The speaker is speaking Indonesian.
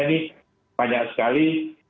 ini banyak sekali